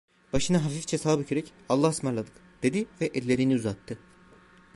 Başını hafifçe sağa bükerek: "Allahaısmarladık…" dedi ve ellerini uzattı.